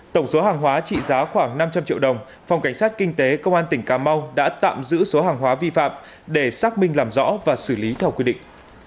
tổng số hàng hóa trị giá khoảng năm trăm linh triệu đồng phòng cảnh sát kinh tế công an tỉnh cà mau đã tạm giữ số hàng hóa vi phạm để xác minh làm rõ và xử lý theo quy định